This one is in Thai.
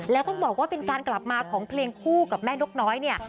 แล้วต้องบอกว่าเป็นการกลับมาของเพลงคู่กับแม่นกน้อยเนี่ย